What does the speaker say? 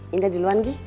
indah duluan gi